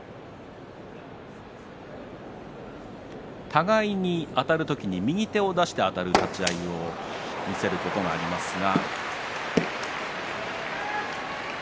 互いにあたる時に右手を出してあたる立ち合いを見せることがありますが。